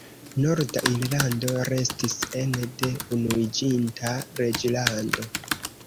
Norda Irlando restis ene de Unuiĝinta Reĝlando.